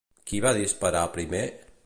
Qui va disparar primer?